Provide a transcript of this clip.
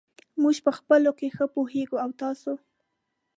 موږ په خپلو کې ښه پوهېږو. او تاسو !؟